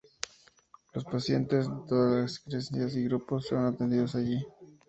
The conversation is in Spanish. Los pacientes de toda las creencias y grupos son atendidos allí.